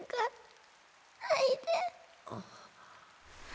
あっ。